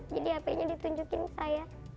jadi hp nya ditunjukin saya